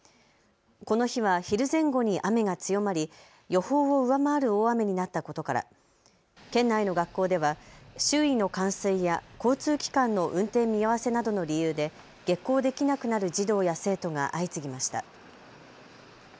この日は昼前後に雨が強まり予報を上回る大雨になったことから県内の学校では周囲の冠水や交通機関の運転見合わせなどの理由で下校できなくなる児童や生徒が相次ぎました。